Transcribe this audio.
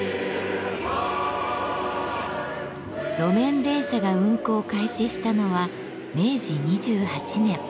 路面電車が運行開始したのは明治２８年。